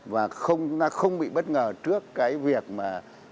và không bị bất ngờ trước cái việc mà